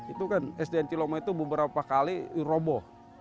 itu kan sdn ciloma itu beberapa kali roboh